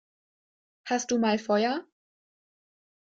Hast du mal Feuer?